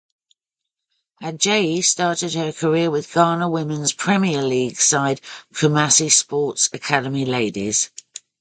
Adjei started her career with Ghana Women’s Premier League side Kumasi Sports Academy Ladies.